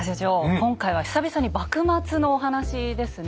今回は久々に幕末のお話ですね。